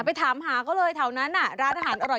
ไปถามหาเขาเลยที่วัดบุราณร้านอร่อย